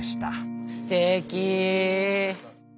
すてき！